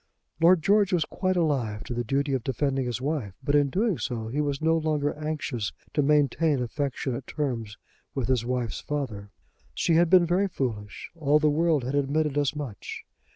Lord George was quite alive to the duty of defending his wife; but in doing so he was no longer anxious to maintain affectionate terms with his wife's father. She had been very foolish. All the world had admitted as much.